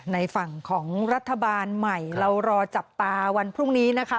ในฝั่งของรัฐบาลใหม่เรารอจับตาวันพรุ่งนี้นะคะ